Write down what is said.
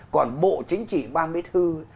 còn bộ chính trị ban bế thư